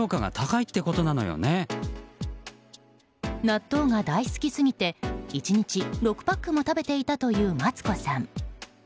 納豆が大好きすぎて１日６パックも食べていたというマツコさん。